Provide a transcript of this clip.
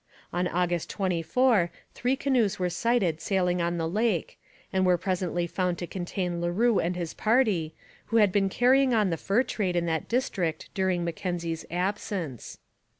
On August 24 three canoes were sighted sailing on the lake, and were presently found to contain Leroux and his party, who had been carrying on the fur trade in that district during Mackenzie's absence.